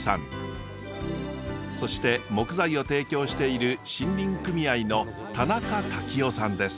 そして木材を提供している森林組合の田中多喜夫さんです。